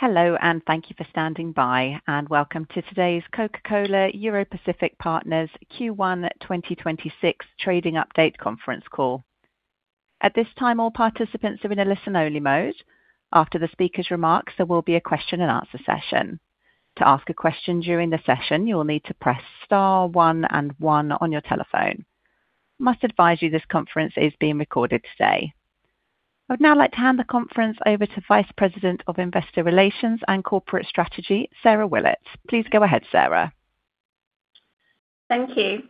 Hello and thank you for standing by, and welcome to today's Coca-Cola Europacific Partners Q1 2026 trading update conference call. At this time, all participants are in a listen-only mode. After the speaker's remarks, there will be a question-and-answer session. To ask a question during the session, you need press star one and one on your telephone. I must advise you this conference is being recorded today. I would now like to hand the conference over to Vice President of Investor Relations and Corporate Strategy, Sarah Willett. Please go ahead, Sarah. Thank you.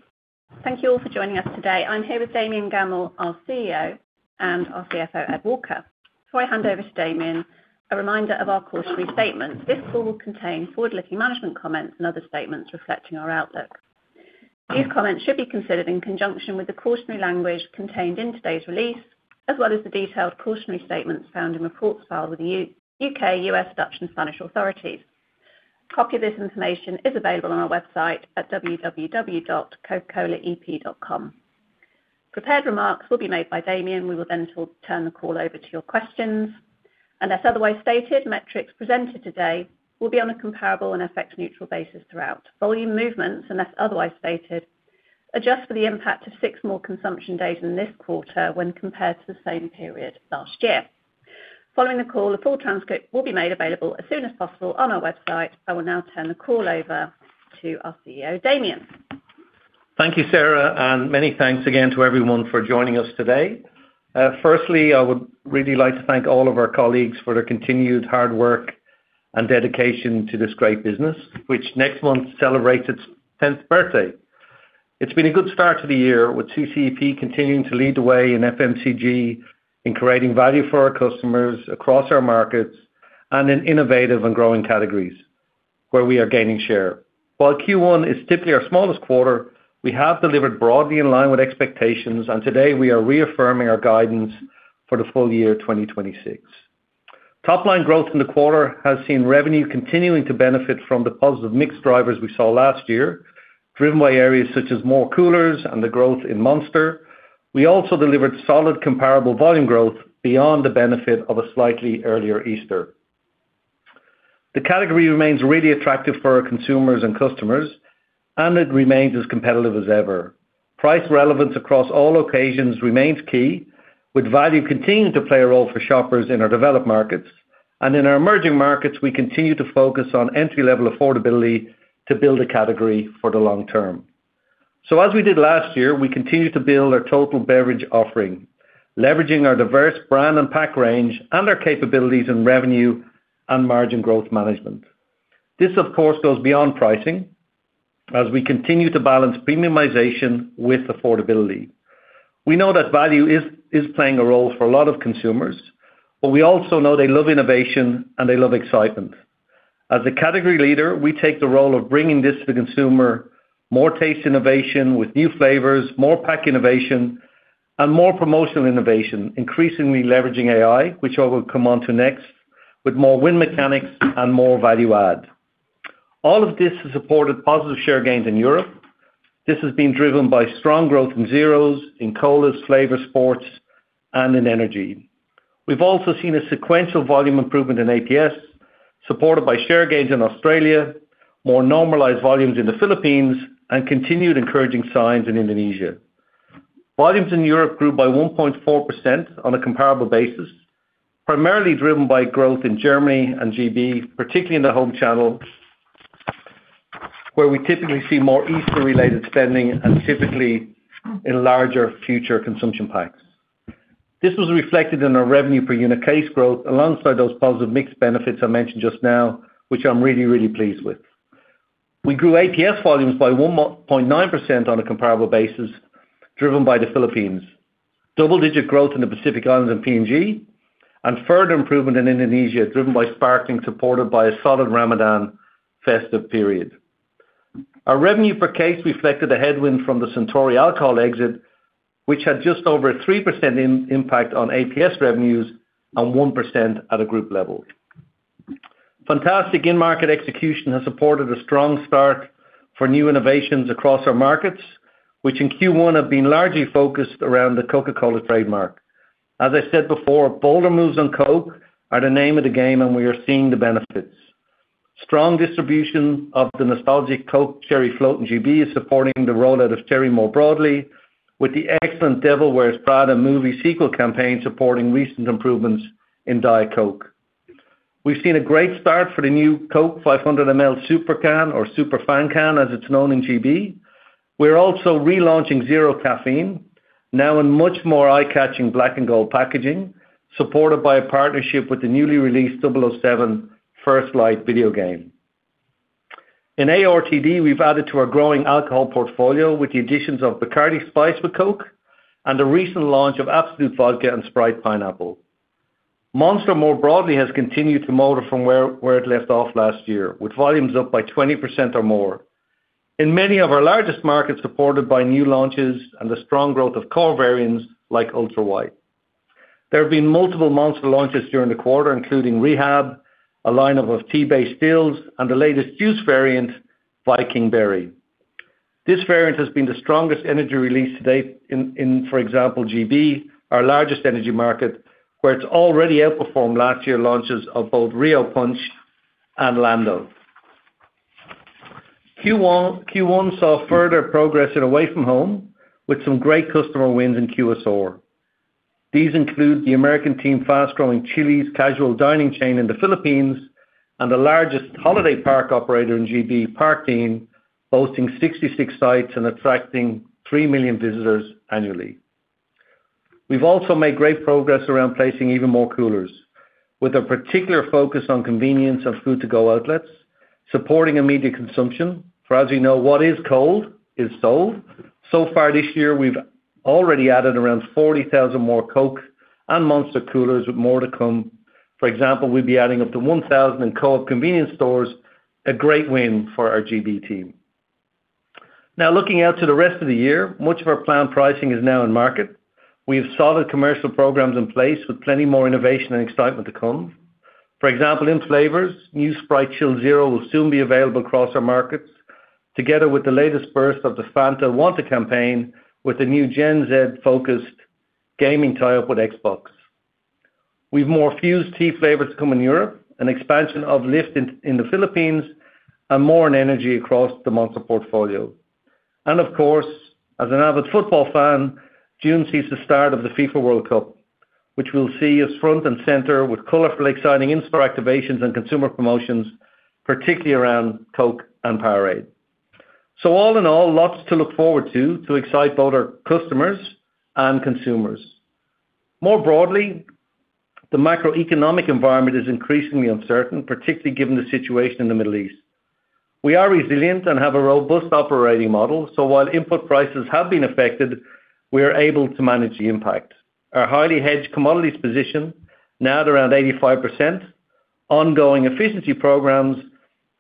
Thank you all for joining us today. I am here with Damian Gammell, our CEO, and our CFO, Ed Walker. Before I hand over to Damian, a reminder of our cautionary statement. This call will contain forward-looking management comments and other statements reflecting our outlook. These comments should be considered in conjunction with the cautionary language contained in today's release, as well as the detailed cautionary statements found in reports filed with the U.K., U.S., Dutch, and Spanish authorities. A copy of this information is available on our website at www.cocacolaep.com. Prepared remarks will be made by Damian. We will turn the call over to your questions. Unless otherwise stated, metrics presented today will be on a comparable and effect neutral basis throughout. Volume movements, unless otherwise stated, adjust for the impact of six more consumption days in this quarter when compared to the same period last year. Following the call, a full transcript will be made available as soon as possible on our website. I will now turn the call over to our CEO, Damian. Thank you, Sarah, and many thanks again to everyone for joining us today. Firstly, I would really like to thank all of our colleagues for their continued hard work and dedication to this great business, which next month celebrates its 10th birthday. It's been a good start to the year, with CCEP continuing to lead the way in FMCG in creating value for our customers across our markets and in innovative and growing categories where we are gaining share. While Q1 is typically our smallest quarter, we have delivered broadly in line with expectations, and today we are reaffirming our guidance for the full year 2026. Topline growth in the quarter has seen revenue continuing to benefit from the positive mix drivers we saw last year, driven by areas such as more coolers and the growth in Monster. We also delivered solid comparable volume growth beyond the benefit of a slightly earlier Easter. The category remains really attractive for our consumers and customers. It remains as competitive as ever. Price relevance across all locations remains key, with value continuing to play a role for shoppers in our developed markets. In our emerging markets, we continue to focus on entry-level affordability to build a category for the long term. As we did last year, we continue to build our total beverage offering, leveraging our diverse brand and pack range and our capabilities in revenue and margin growth management. This, of course, goes beyond pricing as we continue to balance premiumization with affordability. We know that value is playing a role for a lot of consumers. We also know they love innovation and they love excitement. As a category leader, we take the role of bringing this to the consumer more taste innovation with new flavors, more pack innovation, and more promotional innovation, increasingly leveraging AI, which I will come on to next with more win mechanics and more value add. All of this has supported positive share gains in Europe. This has been driven by strong growth in zeros, in colas, flavors, sports, and in energy. We've also seen a sequential volume improvement in APS, supported by share gains in Australia, more normalized volumes in the Philippines, and continued encouraging signs in Indonesia. Volumes in Europe grew by 1.4% on a comparable basis, primarily driven by growth in Germany and G.B., particularly in the home channel, where we typically see more Easter-related spending and typically, in larger future consumption packs. This was reflected in our revenue per unit case growth alongside those positive mix benefits I mentioned just now, which I'm really pleased with. We grew APS volumes by 1.9% on a comparable basis, driven by the Philippines, double-digit growth in the Pacific Islands and PNG, and further improvement in Indonesia, driven by sparkling, supported by a solid Ramadan festive period. Our revenue per case reflected a headwind from the Suntory alcohol exit, which had just over 3% impact on APS revenues and 1% at a group level. Fantastic in-market execution has supported a strong start for new innovations across our markets, which in Q1 have been largely focused around the Coca-Cola trademark. As I said before, bolder moves on Coke are the name of the game, and we are seeing the benefits. Strong distribution of the nostalgic Coke Cherry Float in G.B. is supporting the rollout of Cherry more broadly, with the excellent The Devil Wears Prada movie sequel campaign supporting recent improvements in Diet Coke. We've seen a great start for the new Coke 500ml super can or Superfan can, as it's known in G.B. We're also relaunching Zero Caffeine now in much more eye-catching black and gold packaging, supported by a partnership with the newly released 007 First Light video game. In ARTD, we've added to our growing alcohol portfolio with the additions of BACARDÍ Spiced with Coke and the recent launch of Absolut Vodka & Sprite Pineapple. Monster more broadly has continued to motor from where it left off last year, with volumes up by 20% or more. In many of our largest markets, supported by new launches and the strong growth of core variants like Ultra White. There have been multiple Monster launches during the quarter, including Rehab, a lineup of tea-based stills, and the latest juice variant, Viking Berry. This variant has been the strongest energy release to date in, for example, G.B., our largest energy market, where it's already outperformed last year's launches of both Rio Punch and Lando. Q1 saw further progress in away-from-home, with some great customer wins in QSR. These include the American team fast-growing Chili's casual dining chain in the Philippines, and the largest holiday park operator in G.B., Parkdean, boasting 66 sites and attracting 3 million visitors annually. We've also made great progress around placing even more coolers, with a particular focus on convenience of food-to-go outlets, supporting immediate consumption. As you know, what is cold is sold. So far this year, we've already added around 40,000 more Coke and Monster coolers, with more to come. For example, we'll be adding up to 1,000 in Co-op convenience stores, a great win for our G.B. team. Looking out to the rest of the year, much of our planned pricing is now in market. We have solid commercial programs in place with plenty more innovation and excitement to come. For example, in flavors, new Sprite Chill Zero will soon be available across our markets, together with the latest burst of the Fanta Wanta campaign with the new Gen Z-focused gaming tie-up with Xbox. We've more Fuze Tea flavors to come in Europe, an expansion of Lift in the Philippines, and more in energy across the Monster portfolio. Of course, as an avid football fan, June sees the start of the FIFA World Cup, which we'll see is front and center with colorful, exciting in-store activations and consumer promotions, particularly around Coke and Powerade. All in all, lots to look forward to to excite both our customers and consumers. More broadly, the macroeconomic environment is increasingly uncertain, particularly given the situation in the Middle East. We are resilient and have a robust operating model. While input prices have been affected, we are able to manage the impact. Our highly hedged commodities position, now at around 85%, ongoing efficiency programs,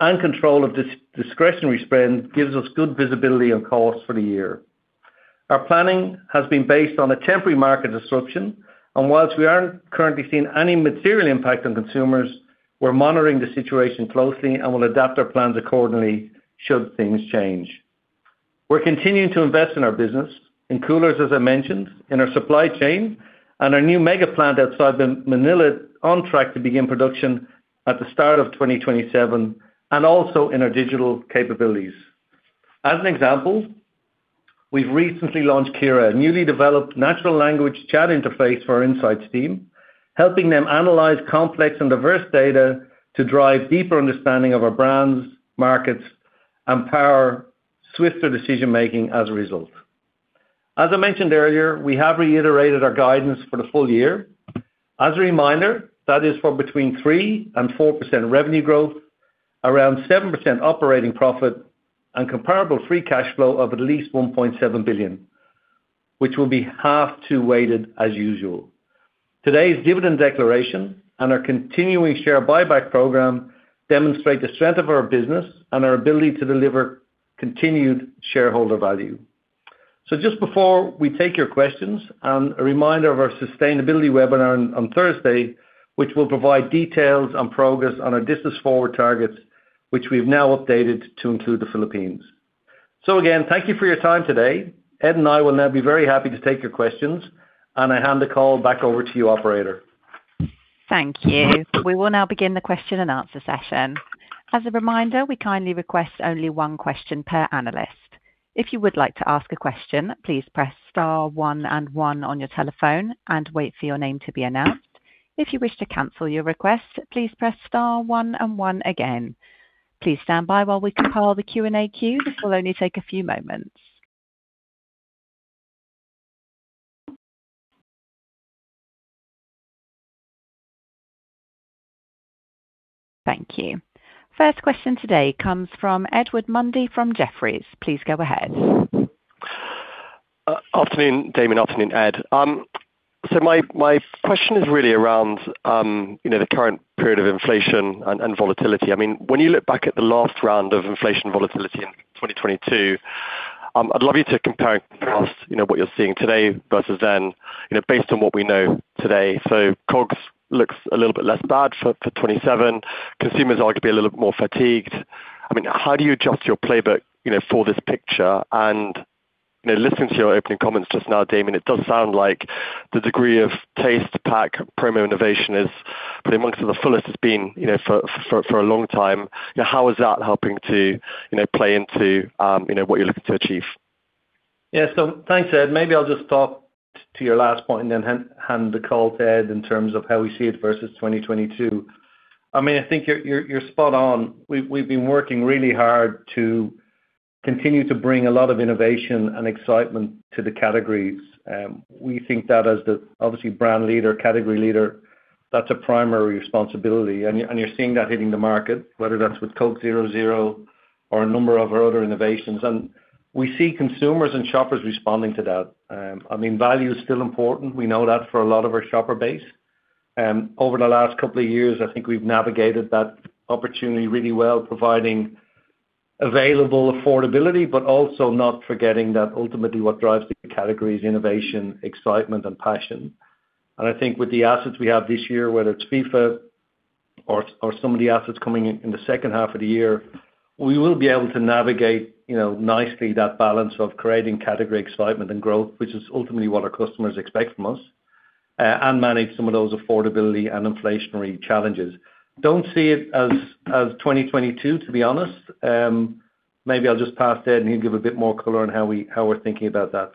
and control of discretionary spend gives us good visibility on costs for the year. Our planning has been based on a temporary market disruption, and whilst we aren't currently seeing any material impact on consumers, we're monitoring the situation closely and will adapt our plans accordingly should things change. We're continuing to invest in our business, in coolers, as I mentioned, in our supply chain, and our new mega plant outside Manila on track to begin production at the start of 2027, and also in our digital capabilities. As an example, we've recently launched Kira, a newly developed natural language chat interface for our insights team, helping them analyze complex and diverse data to drive deeper understanding of our brands, markets, and power swifter decision-making as a result. As I mentioned earlier, we have reiterated our guidance for the full year. As a reminder, that is for between 3% and 4% revenue growth, around 7% operating profit, and comparable free cash flow of at least 1.7 billion, which will be half two-weighted as usual. Today's dividend declaration and our continuing share buyback program demonstrate the strength of our business and our ability to deliver continued shareholder value. Just before we take your questions, and a reminder of our Sustainability Webinar on Thursday, which will provide details on progress on our business forward targets, which we've now updated to include the Philippines. Again, thank you for your time today. Ed and I will now be very happy to take your questions, and I hand the call back over to you, operator. Thank you. We will now begin the question-and-answer session. As a reminder, we kindly request only one question per analyst. If you would like to ask a question, please press star one and one on your telephone and wait for your name to be announced. If you wish to cancel your request, please press star one and one again. Please stand by while we compile the Q&A queue. It will only take a few moments. Thank you. First question today comes from Edward Mundy from Jefferies. Please go ahead. Afternoon, Damian. Afternoon, Ed. My question is really around, you know, the current period of inflation and volatility. I mean, when you look back at the last round of inflation volatility in 2022, I'd love you to compare and contrast, you know, what you're seeing today versus then, you know, based on what we know today. COGS looks a little bit less bad for 2027. Consumers could be a little bit more fatigued. I mean, how do you adjust your playbook, you know, for this picture? You know, listening to your opening comments just now, Damian, it does sound like the degree of taste pack promo innovation is pretty much at the fullest it's been, you know, for a long time. You know, how is that helping to, you know, play into, you know, what you're looking to achieve? Yeah. Thanks, Ed. Maybe I'll just talk to your last point and then hand the call to Ed in terms of how we see it versus 2022. I mean, I think you're spot on. We've been working really hard to continue to bring a lot of innovation and excitement to the categories. We think that, as the obviously brand leader, category leader, that's a primary responsibility. You're seeing that hitting the market, whether that's with Coke Zero Zero or a number of our other innovations. We see consumers and shoppers responding to that. I mean, value is still important. We know that for a lot of our shopper base. Over the last couple of years, I think we've navigated that opportunity really well, providing available affordability, but also not forgetting that ultimately what drives the category is innovation, excitement, and passion. I think with the assets we have this year, whether it's FIFA or some of the assets coming in the second half of the year, we will be able to navigate, you know, nicely that balance of creating category excitement and growth, which is ultimately what our customers expect from us, and manage some of those affordability and inflationary challenges. Don't see it as 2022, to be honest. Maybe I'll just pass to Ed, and he'll give a bit more color on how we, how we're thinking about that.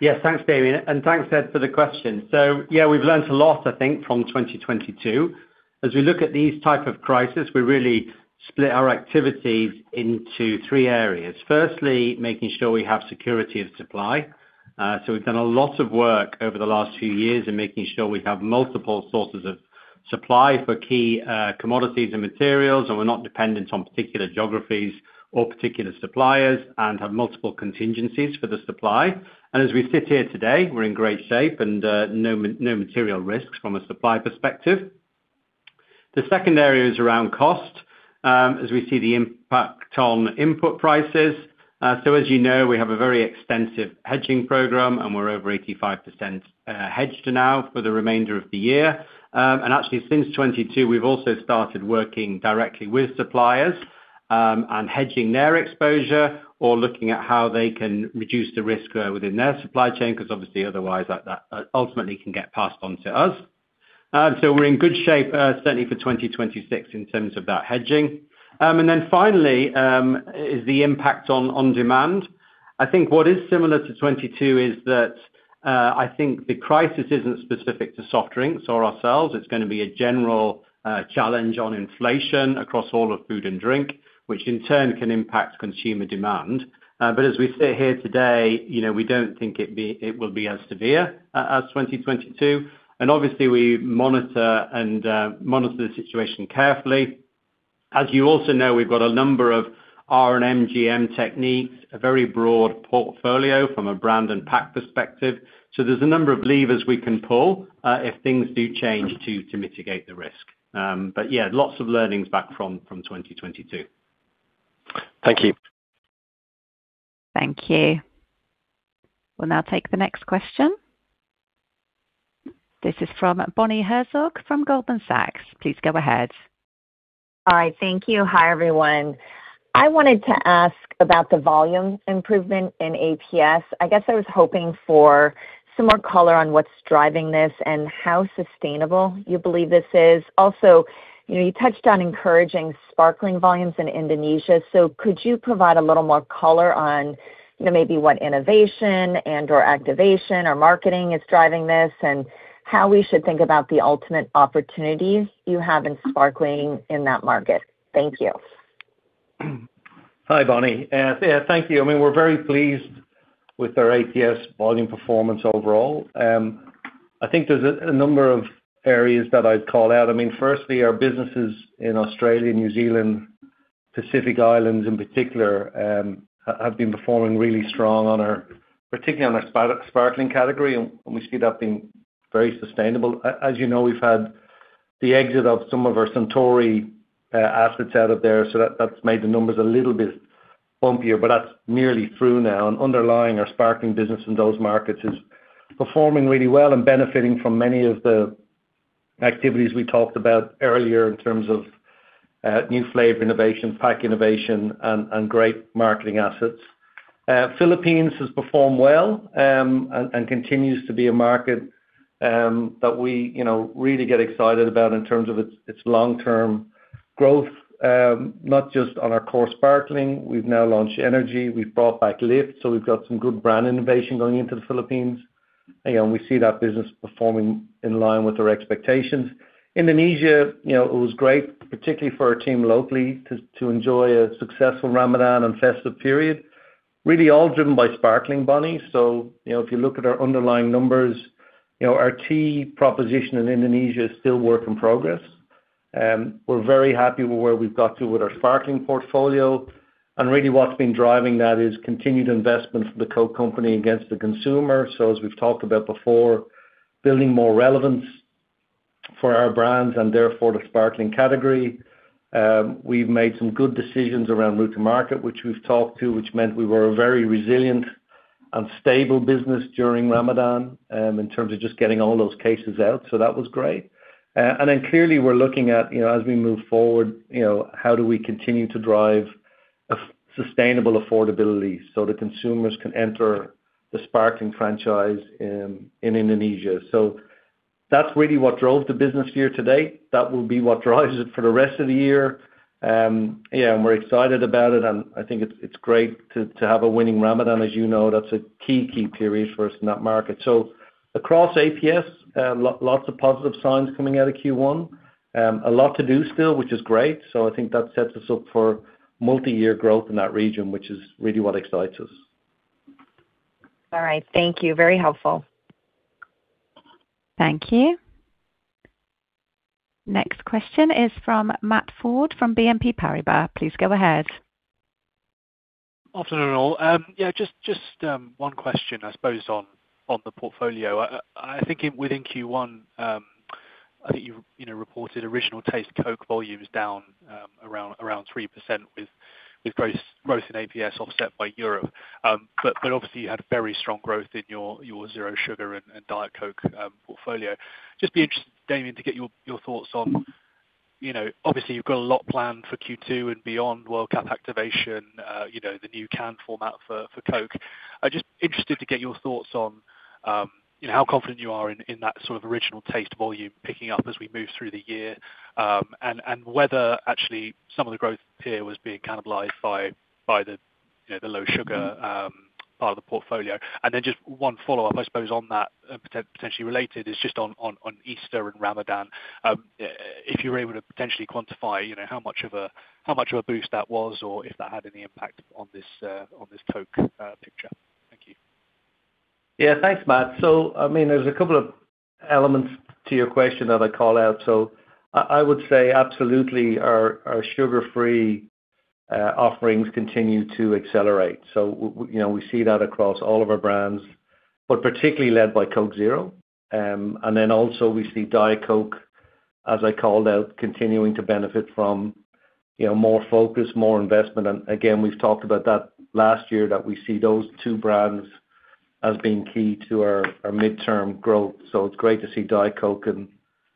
Yes, thanks, Damian. Thanks, Ed, for the question. Yeah, we've learned a lot, I think, from 2022. As we look at these type of crisis, we really split our activities into three areas. Firstly, making sure we have security of supply. So we've done a lot of work over the last few years in making sure we have multiple sources of supply for key commodities and materials, and we're not dependent on particular geographies or particular suppliers and have multiple contingencies for the supply. As we sit here today, we're in great shape and no material risks from a supply perspective. The second area is around cost, as we see the impact on input prices. As you know, we have a very extensive hedging program, and we're over 85% hedged now for the remainder of the year. Actually since 2022, we've also started working directly with suppliers, and hedging their exposure or looking at how they can reduce the risk within their supply chain, because obviously otherwise, that ultimately can get passed on to us. We're in good shape, certainly for 2026 in terms of that hedging. Finally, is the impact on demand. I think what is similar to 2022 is that, I think the crisis isn't specific to soft drinks or ourselves. It's gonna be a general challenge on inflation across all of food and drink, which in turn can impact consumer demand. But as we sit here today, you know, we don't think it will be as severe as 2022. Obviously, we monitor the situation carefully. As you also know, we've got a number of our RGM techniques, a very broad portfolio from a brand and pack perspective. There's a number of levers we can pull if things do change to mitigate the risk. But yeah, lots of learnings back from 2022. Thank you. Thank you. We'll now take the next question. This is from Bonnie Herzog from Goldman Sachs. Please go ahead. All right, thank you. Hi, everyone. I wanted to ask about the volume improvement in APS. I guess I was hoping for some more color on what's driving this and how sustainable you believe this is. Also, you know, you touched on encouraging sparkling volumes in Indonesia, so could you provide a little more color on, you know, maybe what innovation and/or activation or marketing is driving this and how we should think about the ultimate opportunities you have in sparkling in that market? Thank you. Hi, Bonnie. Yeah, thank you. I mean, we're very pleased with our APS volume performance overall. I think there's a number of areas that I'd call out. I mean, firstly, our businesses in Australia, New Zealand, Pacific Islands in particular, have been performing really strong on our, particularly on our sparkling category, and we see that being very sustainable. As you know, we've had the exit of some of our Suntory assets out of there, so that's made the numbers a little bit bumpier, but that's nearly through now. Underlying our sparkling business in those markets is performing really well and benefiting from many of the activities we talked about earlier in terms of new flavor innovation, pack innovation, and great marketing assets. Philippines has performed well, and continues to be a market that we, you know, really get excited about in terms of its long-term growth, not just on our core sparkling. We've now launched energy. We've brought back Lift, we've got some good brand innovation going into the Philippines. You know, we see that business performing in line with our expectations. Indonesia, you know, it was great, particularly for our team locally to enjoy a successful Ramadan and festive period, really all driven by sparkling, Bonnie. You know, if you look at our underlying numbers, you know, our tea proposition in Indonesia is still work in progress. We're very happy with where we've got to with our sparkling portfolio. Really what's been driving that is continued investment for the Coke company against the consumer. As we've talked about before, building more relevance for our brands and therefore, the sparkling category. We've made some good decisions around route to market, which we've talked to, which meant we were a very resilient and stable business during Ramadan in terms of just getting all those cases out. That was great. Clearly we're looking at, you know, as we move forward, you know, how do we continue to drive a sustainable affordability so the consumers can enter the sparkling franchise in Indonesia. That's really what drove the business year-to-date. That will be what drives it for the rest of the year. And we're excited about it, and I think it's great to have a winning Ramadan. As you know, that's a key period for us in that market. Across APS, lots of positive signs coming out of Q1. A lot to do still, which is great. I think that sets us up for multi-year growth in that region, which is really what excites us. All right. Thank you. Very helpful. Thank you. Next question is from Matt Ford from BNP Paribas. Please go ahead. Afternoon, all. Just one question, I suppose, on the portfolio. I think in, within Q1, I think you've, you know, reported Original Taste Coke volumes down, around 3% with growth in APS offset by Europe. Obviously, you had very strong growth in your Zero Sugar and Diet Coke portfolio. Just be interested, Damian, to get your thoughts on, you know, obviously you've got a lot planned for Q2 and beyond, World Cup activation, you know, the new can format for Coke. I'm just interested to get your thoughts on, you know, how confident you are in that sort of Original Taste volume picking up as we move through the year. Whether actually some of the growth here was being cannibalized by the, you know, the low sugar part of the portfolio. Just one follow-up, I suppose, on that potentially related is just on Easter and Ramadan. If you're able to potentially quantify, you know, how much of a, how much of a boost that was or if that had any impact on this on this Coke picture. Thank you. Thanks, Matt. I mean, there's a couple of elements to your question that I call out. I would say absolutely our sugar-free offerings continue to accelerate. We, you know, we see that across all of our brands, but particularly led by Coke Zero. Then also we see Diet Coke, as I called out, continuing to benefit from, you know, more focus, more investment. Again, we've talked about that last year that we see those two brands as being key to our midterm growth. It's great to see Diet Coke and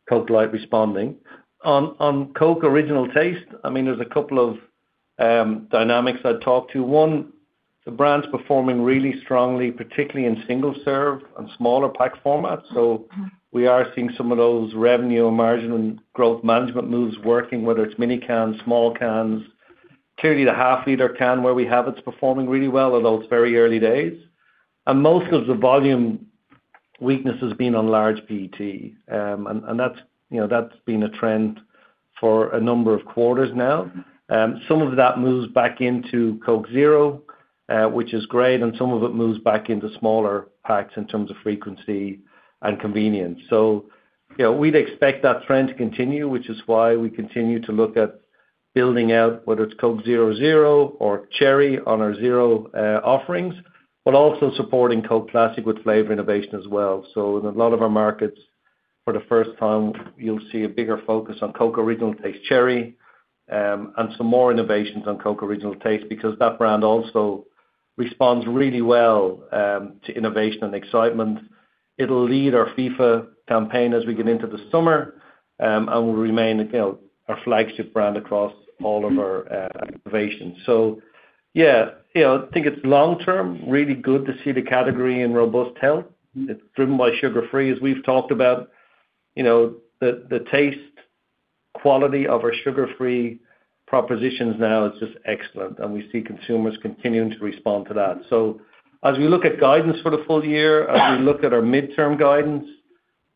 Coke Life responding. On Coke Original Taste, I mean, there's a couple of dynamics I'd talk to. One, the brand's performing really strongly, particularly in single serve and smaller pack formats. We are seeing some of those revenue margin and growth management moves working, whether it's mini cans, small cans. Clearly, the half-liter can where we have, it's performing really well, although it's very early days. Most of the volume weakness has been on large PET. That's, you know, that's been a trend for a number of quarters now. Some of that moves back into Coke Zero, which is great, and some of it moves back into smaller packs in terms of frequency and convenience. You know, we'd expect that trend to continue, which is why we continue to look at building out, whether it's Coke Zero Zero or Cherry on our zero offerings, but also supporting Coke Classic with flavor innovation as well. In a lot of our markets, for the first time, you'll see a bigger focus on Coke Original Taste Cherry, and some more innovations on Coke Original Taste because that brand also responds really well to innovation and excitement. It'll lead our FIFA campaign as we get into the summer, and will remain, you know, our flagship brand across all of our activations. Yeah, you know, I think it's long term, really good to see the category in robust health. It's driven by sugar-free, as we've talked about. You know, the taste quality of our sugar-free propositions now is just excellent, and we see consumers continuing to respond to that. As we look at guidance for the full year, as we look at our midterm guidance,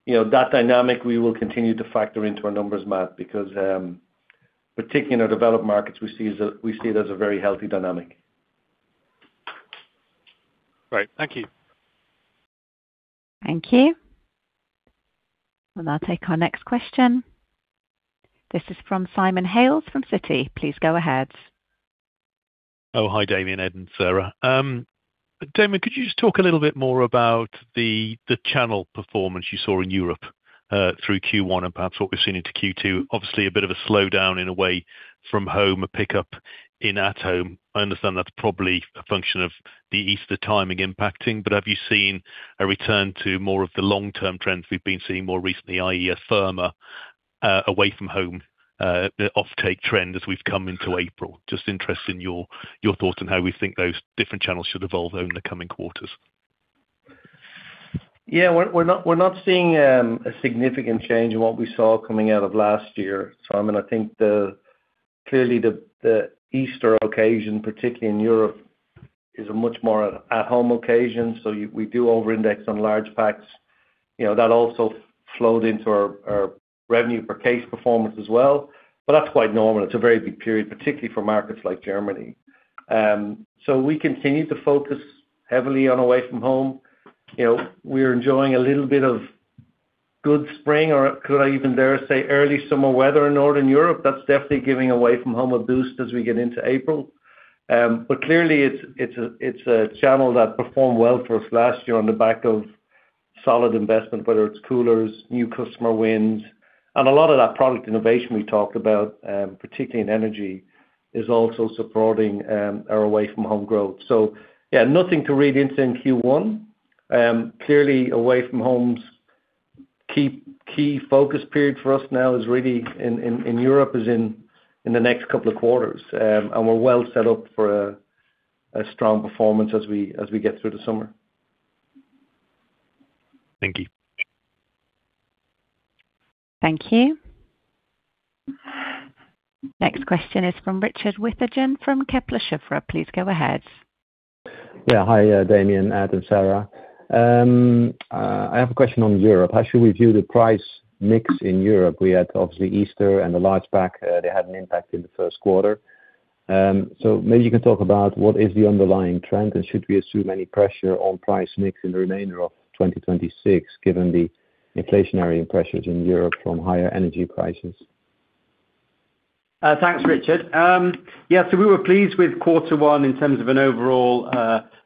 you know, that dynamic we will continue to factor into our numbers, Matt, because particularly in our developed markets, we see it as a very healthy dynamic. Right. Thank you. Thank you. We will now take our next question. This is from Simon Hales from Citi. Please go ahead. Hi, Damian, Ed, and Sarah. Damian, could you just talk a little bit more about the channel performance you saw in Europe through Q1 and perhaps what we've seen into Q2? A bit of a slowdown in away-from-home, a pickup in at-home. I understand that's probably a function of the Easter timing impacting, but have you seen a return to more of the long-term trends we've been seeing more recently, i.e. a firmer away-from-home offtake trend as we've come into April? Interested in your thoughts on how we think those different channels should evolve over the coming quarters. Yeah. We're not seeing a significant change in what we saw coming out of last year, Simon. Clearly, the Easter occasion, particularly in Europe, is a much more at-home occasion, so we do over-index on large packs. You know, that also flowed into our revenue per case performance as well, but that's quite normal. It's a very big period, particularly for markets like Germany. We continue to focus heavily on away-from-home. You know, we're enjoying a little bit of good spring or could I even dare say early summer weather in Northern Europe. That's definitely giving away-from-home a boost as we get into April. Clearly it's a, it's a channel that performed well for us last year on the back of solid investment, whether it's coolers, new customer wins, and a lot of that product innovation we talked about, particularly in energy, is also supporting our away-from-home growth. Yeah, nothing to read into in Q1. Clearly away-from-home's key focus period for us now is really in Europe, is in the next couple of quarters. We're well set up for a strong performance as we get through the summer. Thank you. Thank you. Next question is from Richard Withagen from Kepler Cheuvreux. Please go ahead. Yeah. Hi, Damian, Ed, and Sarah. I have a question on Europe. How should we view the price mix in Europe? We had obviously Easter and the large pack, they had an impact in the first quarter. Maybe you can talk about what is the underlying trend, and should we assume any pressure on price mix in the remainder of 2026, given the inflationary pressures in Europe from higher energy prices? Thanks, Richard. We were pleased with quarter one in terms of an overall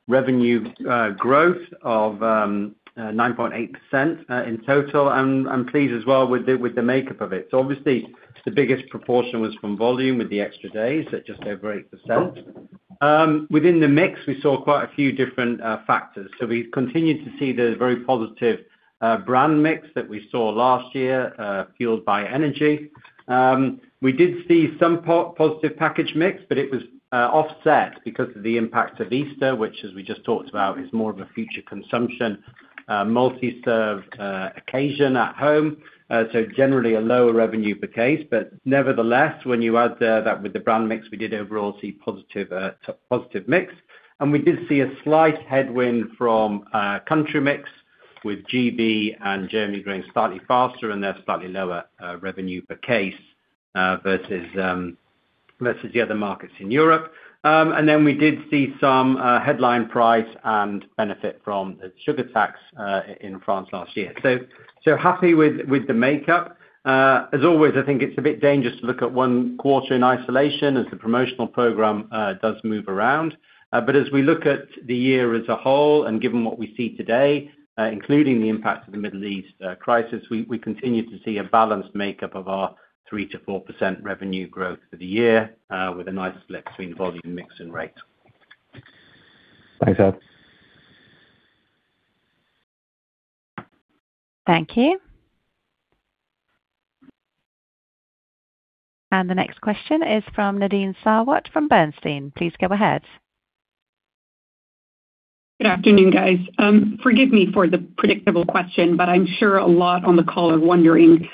revenue growth of 9.8% in total. I'm pleased as well with the makeup of it. Obviously, the biggest proportion was from volume with the extra days at just over 8%. Within the mix, we saw quite a few different factors. We continued to see the very positive brand mix that we saw last year, fueled by energy. We did see some positive package mix, but it was offset because of the impact of Easter, which as we just talked about, is more of a future consumption, multi-serve occasion at home. Generally a lower revenue per case. Nevertheless, when you add that with the brand mix, we did overall see positive mix. We did see a slight headwind from country mix with G.B. and Germany growing slightly faster, and they're slightly lower revenue per case versus the other markets in Europe. We did see some headline price and benefit from the sugar tax in France last year. Happy with the makeup. As always, I think it's a bit dangerous to look at one quarter in isolation as the promotional program does move around. As we look at the year as a whole and given what we see today, including the impact of the Middle East crisis, we continue to see a balanced makeup of our 3%-4% revenue growth for the year with a nice split between volume mix and rate. Thanks, Ed. Thank you. The next question is from Nadine Sarwat from Bernstein. Please go ahead. Good afternoon, guys. Forgive me for the predictable question, but I'm sure a lot on the call are wondering.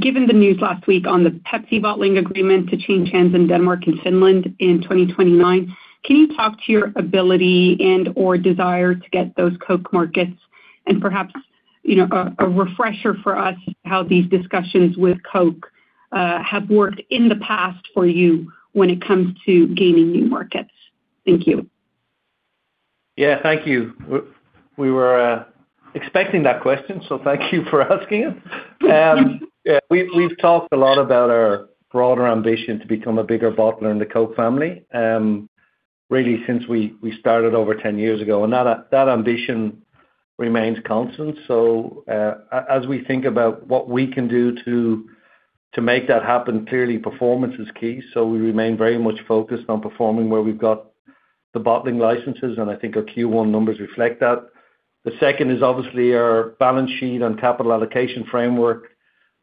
Given the news last week on the Pepsi bottling agreement to change hands in Denmark and Finland in 2029, can you talk to your ability and/or desire to get those Coke markets and perhaps, you know, a refresher for us how these discussions with Coke have worked in the past for you when it comes to gaining new markets? Thank you. Yeah, thank you. We were expecting that question, so thank you for asking it. Yeah, we've talked a lot about our broader ambition to become a bigger bottler in the Coke family, really since we started over 10 years ago. That ambition remains constant. As we think about what we can do to make that happen, clearly performance is key. We remain very much focused on performing where we've got the bottling licenses, and I think our Q1 numbers reflect that. The second is obviously our balance sheet and capital allocation framework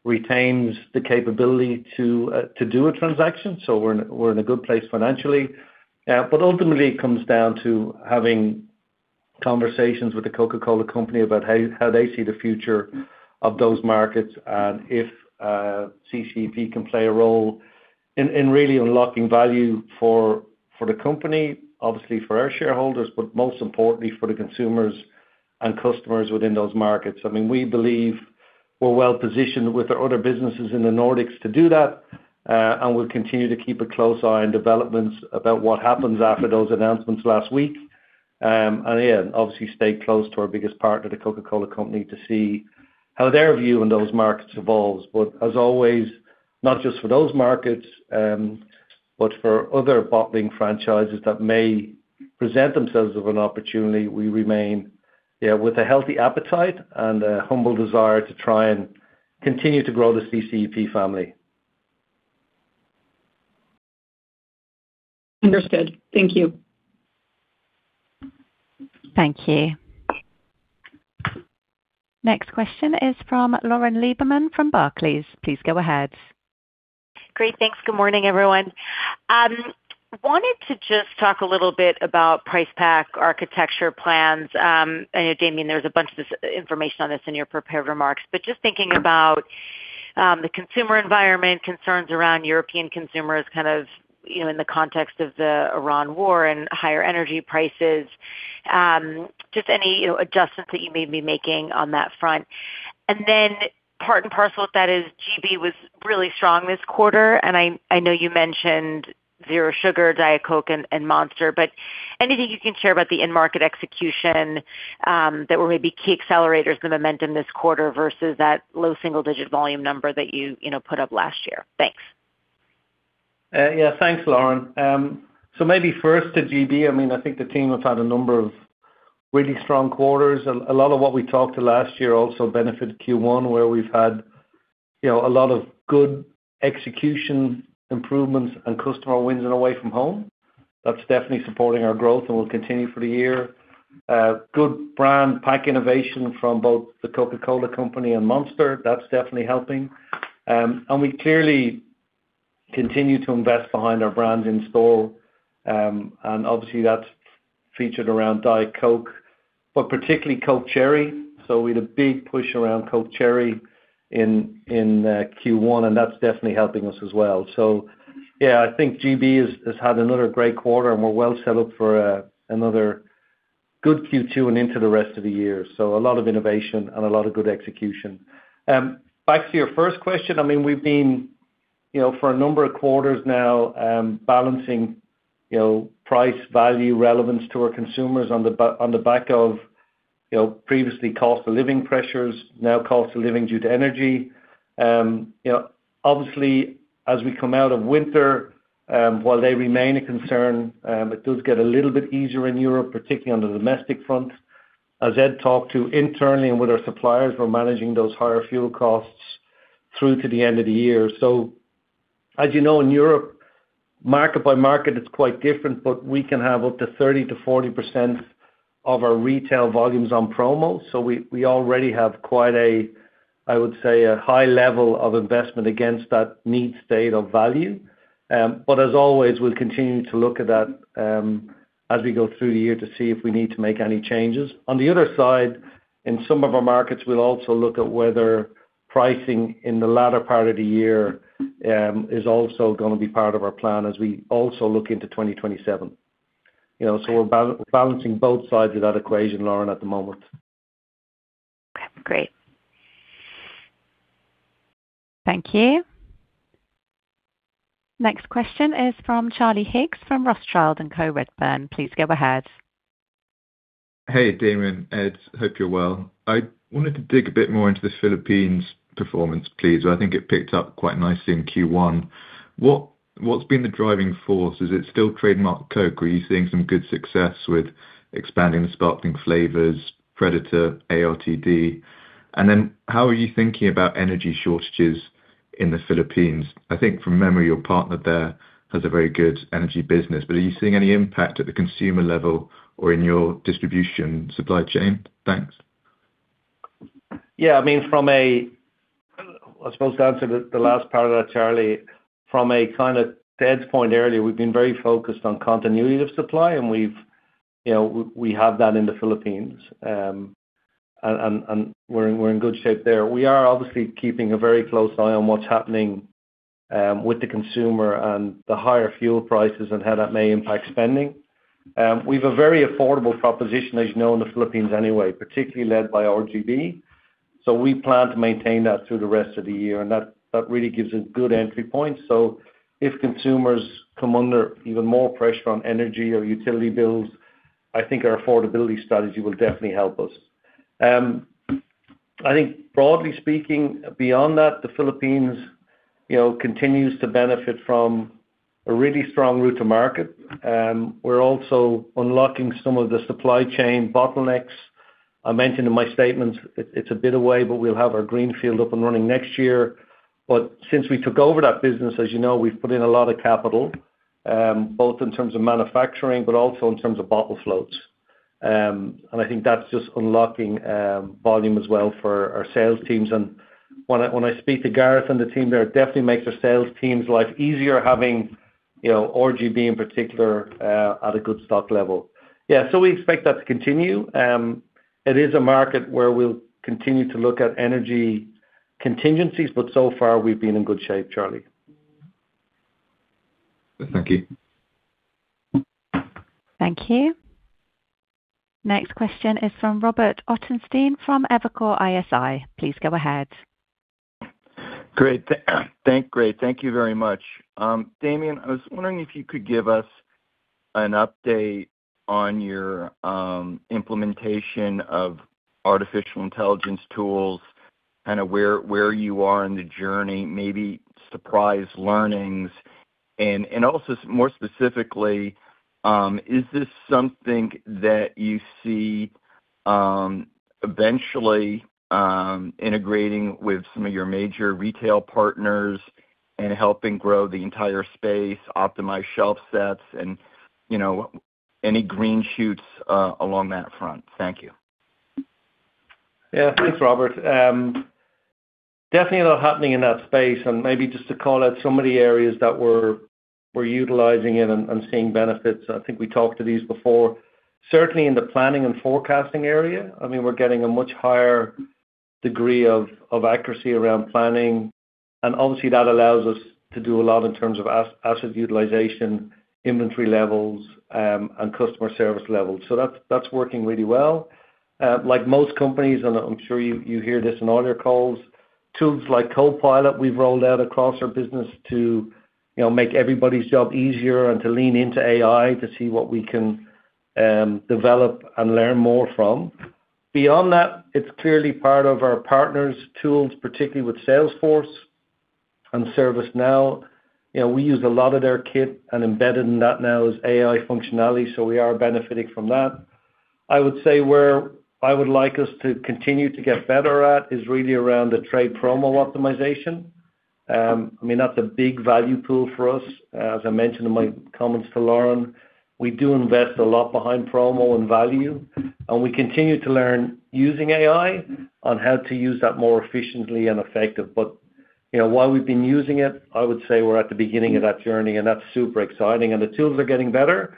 retains the capability to do a transaction, so we're in a good place financially. Ultimately, it comes down to having conversations with The Coca-Cola Company about how they see the future of those markets and if CCEP can play a role in really unlocking value for the company, obviously for our shareholders, but most importantly for the consumers and customers within those markets. I mean, we believe we're well-positioned with our other businesses in the Nordics to do that, and we'll continue to keep a close eye on developments about what happens after those announcements last week. Yeah, obviously stay close to our biggest partner, The Coca-Cola Company, to see how their view in those markets evolves. As always, not just for those markets, but for other bottling franchises that may present themselves of an opportunity, we remain, yeah, with a healthy appetite and a humble desire to try and continue to grow the CCEP family. Understood. Thank you. Thank you. Next question is from Lauren Lieberman from Barclays. Please go ahead. Great. Thanks. Good morning, everyone. Wanted to just talk a little bit about price pack architecture plans. I know, Damian, there's a bunch of this information on this in your prepared remarks, just thinking about the consumer environment, concerns around European consumers, kind of, you know, in the context of the Iran war and higher energy prices, just any, you know, adjustments that you may be making on that front. Then part and parcel with that is G.B. was really strong this quarter, I know you mentioned Zero Sugar, Diet Coke, and Monster, but anything you can share about the end market execution that were maybe key accelerators, the momentum this quarter versus that low single digit volume number that you know, put up last year. Thanks. Yeah. Thanks, Lauren. Maybe first to G.B. I mean, I think the team have had a number of really strong quarters. A lot of what we talked to last year also benefited Q1, where we've had, you know, a lot of good execution improvements and customer wins and away-from-home. That's definitely supporting our growth and will continue for the year. Good brand pack innovation from both The Coca-Cola Company and Monster. That's definitely helping. We clearly continue to invest behind our brands in store. Obviously, that's featured around Diet Coke, but particularly Coke Cherry. We had a big push around Coke Cherry in Q1, and that's definitely helping us as well. I think G.B. has had another great quarter and we're well set up for another good Q2 and into the rest of the year. A lot of innovation and a lot of good execution. Back to your first question. I mean, we've been, you know, for a number of quarters now, balancing, you know, price, value, relevance to our consumers on the back of, you know, previously cost of living pressures, now cost of living due to energy. You know, obviously as we come out of winter, while they remain a concern, it does get a little bit easier in Europe, particularly on the domestic front. As Ed talked to internally and with our suppliers, we're managing those higher fuel costs through to the end of the year. As you know, in Europe, market by market, it's quite different, but we can have up to 30%-40% of our retail volumes on promo. We already have quite a, I would say, a high level of investment against that need state of value. As always, we'll continue to look at that as we go through the year to see if we need to make any changes. On the other side, in some of our markets, we'll also look at whether pricing in the latter part of the year is also going to be part of our plan as we also look into 2027. You know, we're balancing both sides of that equation, Lauren, at the moment. Great. Thank you. Next question is from Charlie Higgs from Rothschild & Co Redburn. Please go ahead. Hey, Damian, Ed, hope you're well. I wanted to dig a bit more into the Philippines performance, please. I think it picked up quite nicely in Q1. What's been the driving force? Is it still trademark Coke or are you seeing some good success with expanding the sparkling flavors, Predator, ARTD? How are you thinking about energy shortages in the Philippines? I think from memory, your partner there has a very good energy business. Are you seeing any impact at the consumer level or in your distribution supply chain? Thanks. I mean, I suppose to answer the last part of that, Charlie, from a kind of Ed's point earlier, we've been very focused on continuity of supply, and we've, you know, we have that in the Philippines. We're in good shape there. We are obviously keeping a very close eye on what's happening with the consumer and the higher fuel prices and how that may impact spending. We've a very affordable proposition, as you know, in the Philippines anyway, particularly led by RGB. We plan to maintain that through the rest of the year, and that really gives a good entry point. If consumers come under even more pressure on energy or utility bills, I think our affordability strategy will definitely help us. I think broadly speaking, beyond that, the Philippines, you know, continues to benefit from a really strong route to market. We're also unlocking some of the supply chain bottlenecks. I mentioned in my statement it's a bit away, but we'll have our greenfield up and running next year. Since we took over that business, as you know, we've put in a lot of capital, both in terms of manufacturing, but also in terms of bottle floats. I think that's just unlocking volume as well for our sales teams. When I speak to Gareth and the team there, it definitely makes the sales team's life easier having, you know, RGB in particular, at a good stock level. We expect that to continue. It is a market where we'll continue to look at energy contingencies, but so far, we've been in good shape, Charlie. Thank you. Thank you. Next question is from Robert Ottenstein from Evercore ISI. Please go ahead. Great. Thank you very much. Damian, I was wondering if you could give us an update on your implementation of artificial intelligence tools, kinda where you are in the journey, maybe surprise learnings. And also more specifically, is this something that you see eventually integrating with some of your major retail partners and helping grow the entire space, optimize shelf sets and, you know, any green shoots along that front? Thank you. Thanks, Robert. Definitely a lot happening in that space. Maybe just to call out some of the areas that we're utilizing it and seeing benefits. I think we talked to these before. Certainly, in the planning and forecasting area, I mean, we're getting a much higher degree of accuracy around planning, and obviously that allows us to do a lot in terms of asset utilization, inventory levels, and customer service levels. That's working really well. Like most companies, and I'm sure you hear this in all your calls, tools like Copilot, we've rolled out across our business to, you know, make everybody's job easier and to lean into AI to see what we can develop and learn more from. Beyond that, it's clearly part of our partners' tools, particularly with Salesforce and ServiceNow. You know, we use a lot of their kit, embedded in that now is AI functionality, so we are benefiting from that. I would say, where I would like us to continue to get better at, is really around the trade promo optimization. I mean, that's a big value pool for us. As I mentioned in my comments to Lauren, we do invest a lot behind promo and value, and we continue to learn using AI on how to use that more efficiently and effective. You know, while we've been using it, I would say we're at the beginning of that journey, that's super exciting. The tools are getting better,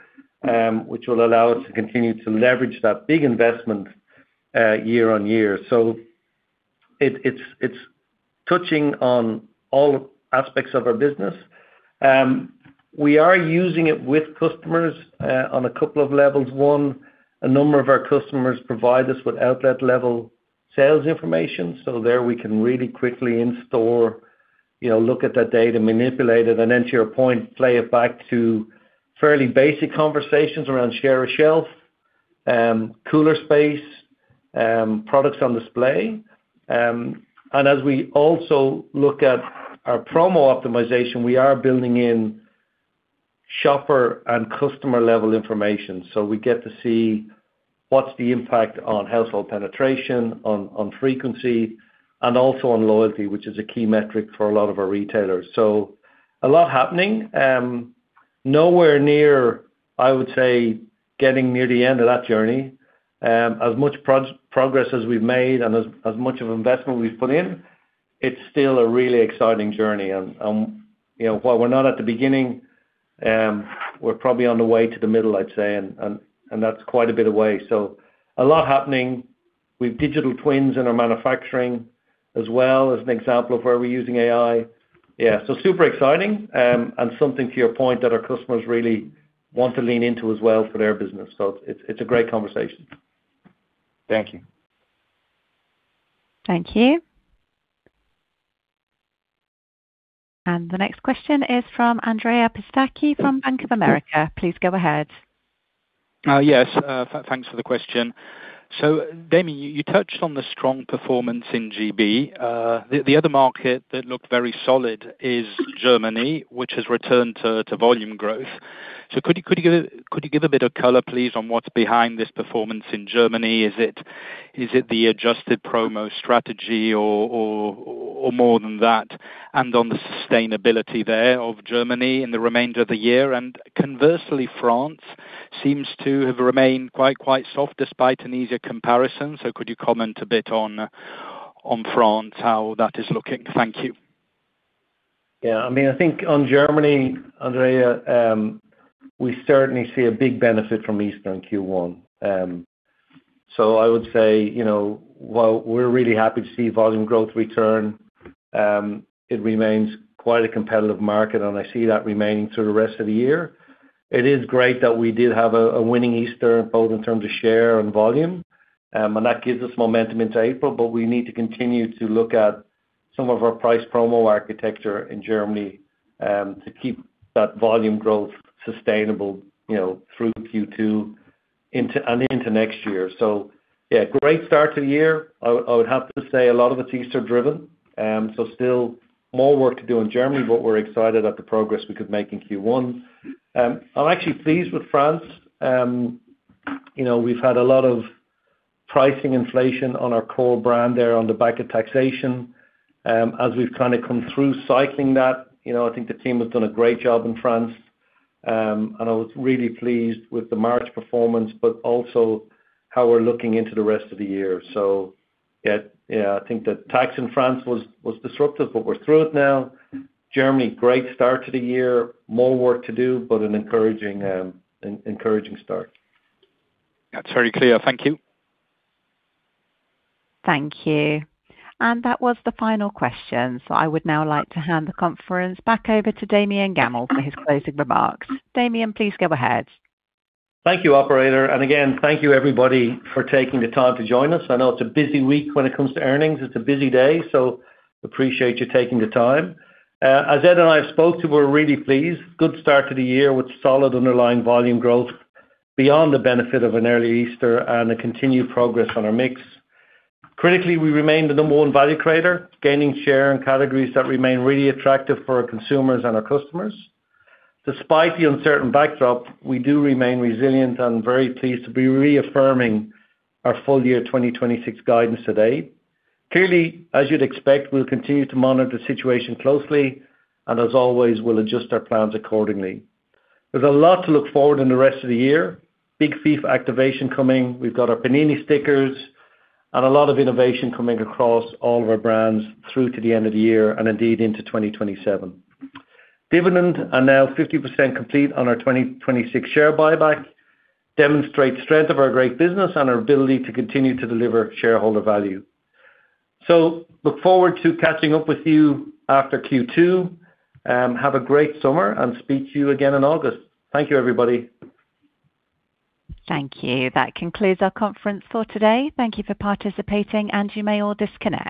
which will allow us to continue to leverage that big investment, year-on-year. It's touching on all aspects of our business. We are using it with customers on a couple of levels. One, a number of our customers provide us with outlet-level sales information. There we can really quickly in-store, you know, look at that data, manipulate it, and then to your point, play it back to fairly basic conversations around share of shelf, cooler space, products on display. And as we also look at our promo optimization, we are building in shopper and customer level information. We get to see what's the impact on household penetration, on frequency, and also on loyalty, which is a key metric for a lot of our retailers. A lot happening. Nowhere near, I would say, getting near the end of that journey. As much progress as we've made and as much of investment we've put in, it's still a really exciting journey. You know, while we're not at the beginning, we're probably on the way to the middle, I'd say. That's quite a bit away. A lot happening with digital twins in our manufacturing as well, as an example of where we're using AI. Super exciting, and something to your point that our customers really want to lean into as well for their business. It's a great conversation. Thank you. Thank you. The next question is from Andrea Pistacchi from Bank of America. Please go ahead. Yes. Thanks for the question. Damian, you touched on the strong performance in G.B. The other market that looked very solid is Germany, which has returned to volume growth. Could you give a bit of color, please, on what's behind this performance in Germany? Is it the adjusted promo strategy or more than that? And on the sustainability there of Germany in the remainder of the year? Conversely, France seems to have remained quite soft despite an easier comparison. Could you comment a bit on France, how that is looking? Thank you. Yeah. I mean, I think on Germany, Andrea, we certainly see a big benefit from Easter Q1. I would say, you know, while we're really happy to see volume growth return, it remains quite a competitive market, and I see that remaining through the rest of the year. It is great that we did have a winning Easter, both in terms of share and volume. That gives us momentum into April, but we need to continue to look at some of our price promo architecture in Germany to keep that volume growth sustainable, you know, through Q2 and into next year. Great start to the year. I would have to say a lot of it is Easter-driven. Still more work to do in Germany, we're excited at the progress we could make in Q1. I'm actually pleased with France. You know, we've had a lot of pricing inflation on our core brand there on the back of taxation. As we've kind of come through cycling that, you know, I think the team has done a great job in France. I was really pleased with the March performance, but also, how we're looking into the rest of the year. Yeah. Yeah, I think the tax in France was disruptive, but we're through it now. Germany, great start to the year. More work to do, but an encouraging start. That's very clear. Thank you. Thank you. That was the final question. I would now like to hand the conference back over to Damian Gammell for his closing remarks. Damian, please go ahead. Thank you, operator. Again, thank you everybody for taking the time to join us. I know it's a busy week when it comes to earnings. It's a busy day, appreciate you taking the time. As Ed and I have spoke to, we're really pleased. Good start to the year with solid underlying volume growth beyond the benefit of an early Easter and a continued progress on our mix. Critically, we remain the number one value creator, gaining share in categories that remain really attractive for our consumers and our customers. Despite the uncertain backdrop, we do remain resilient and very pleased to be reaffirming our full year 2026 guidance today. Clearly, as you'd expect, we'll continue to monitor the situation closely and as always, we'll adjust our plans accordingly. There's a lot to look forward in the rest of the year. Big FIFA activation coming. We've got our Panini stickers and a lot of innovation coming across all of our brands through to the end of the year and indeed into 2027. Dividends are now 50% complete on our 2026 share buyback, demonstrate strength of our great business and our ability to continue to deliver shareholder value. Look forward to catching up with you after Q2. Have a great summer and speak to you again in August. Thank you, everybody Thank you. That concludes our conference for today. Thank you for participating, and you may all disconnect.